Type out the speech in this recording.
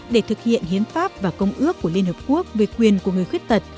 để thực hiện hiến pháp và công ước của liên hợp quốc về quyền của người khuyết tật